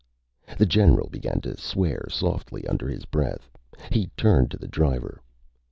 The general began to swear softly under his breath. He turned to the driver.